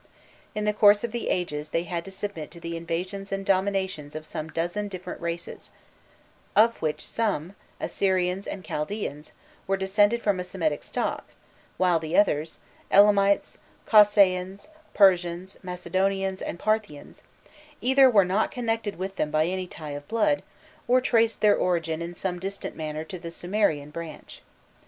In the course of the ages they had to submit to the invasions and domination of some dozen different races, of whom some Assyrians and Chaldaeans were descended from a Semitic stock, while the others Elamites, Cossaaans, Persians, Macedonians, and Parthians either were not connected with them by any tie of blood, or traced their origin in some distant manner to the Sumerian branch.